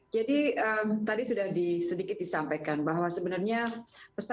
jadi tadi sudah sedikit disampaikan bahwa sebenarnya pesan presiden